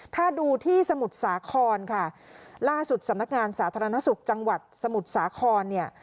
ถ้าดูที่สมุทรสาครค่ะล่าสุดสำนักงานสาธารณสุขจังหวัดสมุทรสาครเนี่ย